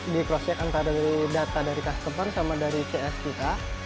di cross check antara dari data dari customer sama dari cs kita